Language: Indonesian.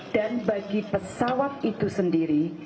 dan bagi pesawat itu sendiri